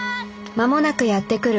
間もなくやって来る